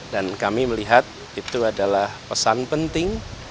dan kami melihat itu adalah pesan penting